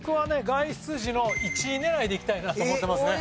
外出時の１位狙いでいきたいなと思ってますね。